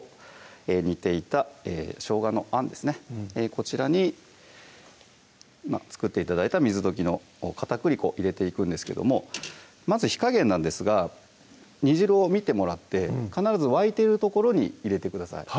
こちらに作って頂いた水溶きの片栗粉入れていくんですけどもまず火加減なんですが煮汁を見てもらって必ず沸いてるところに入れてください